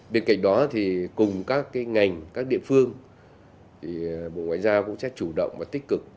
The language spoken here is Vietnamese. bên cạnh đó cùng các ngành các địa phương bộ ngoại giao cũng sẽ chủ động và tích cực